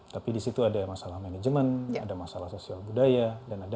tapi disitu ada masalah manajemen ada masalah sosial budaya dan ada masalah teknologi